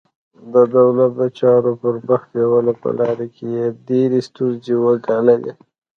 د دولت د چارو پر مخ بیولو په لاره کې یې ډېرې ستونزې وګاللې.